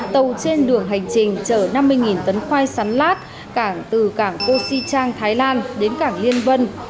tàu trên đường hành trình chở năm mươi tấn khoai sắn lát từ cảng co si trang đến cảng liên vân